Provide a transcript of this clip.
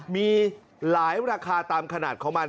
มีหลายราคาตามขนาดของมัน